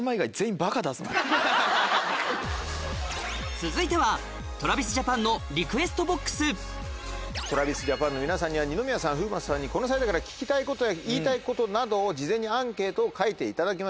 続いてはＴｒａｖｉｓＪａｐａｎの皆さんには二宮さん風磨さんにこの際だから聞きたいことや言いたいことなどを事前にアンケートを書いていただきました。